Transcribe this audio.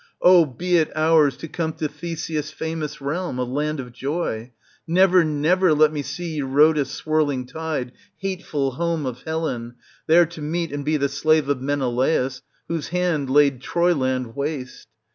Oh ! be it ours to come to Theseus' famous realm, a land of joy 1 Never, never let me see Eurotas' swirling tide, hateful home of Helen, there to meet and be the slave of Menelaus, whose hand laid Troyland waste